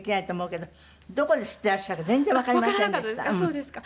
そうですか。